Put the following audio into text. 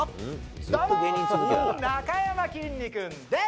どーもー、なかやまきんに君です。